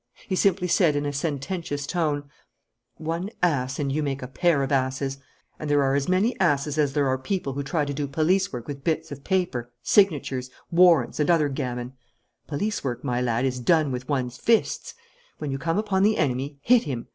He simply said in a sententious tone: "One ass and you make a pair of asses; and there are as many asses as there are people who try to do police work with bits of paper, signatures, warrants, and other gammon. Police work, my lad, is done with one's fists. When you come upon the enemy, hit him.